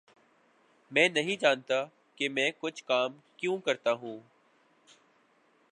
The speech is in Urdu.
میں نہیں جانتا کہ میں کچھ کام کیوں کرتا ہوں